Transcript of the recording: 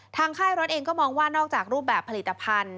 ค่ายรถเองก็มองว่านอกจากรูปแบบผลิตภัณฑ์